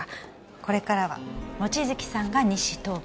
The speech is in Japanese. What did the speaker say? これからは望月さんが日誌当番